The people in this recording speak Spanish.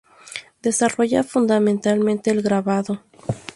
Desarrolla fundamentalmente el grabado.